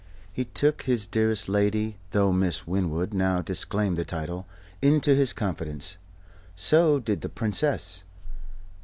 He took his dearest lady though Miss Winwood, now disclaimed the title into his confidence. So did the Princess.